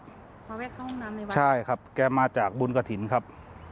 เขาไปเข้าห้องน้ำในรถครับใช่ครับแกมาจากบุญกฐินครับ